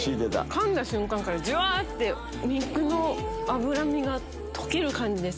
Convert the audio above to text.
かんだ瞬間からジュワって肉の脂身が溶ける感じです。